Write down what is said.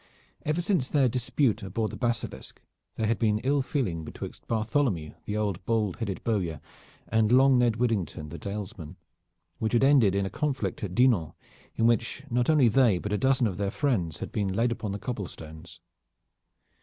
Ever since their dispute aboard the Basilisk, there had been ill feeling betwixt Bartholomew the old bald headed bowyer, and long Ned Widdington the Dalesman, which had ended in a conflict at Dinan, in which not only they, but a dozen of their friends had been laid upon the cobble stones.